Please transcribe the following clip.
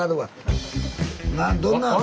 どんな？